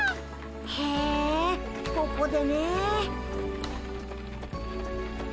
へえここでねえ。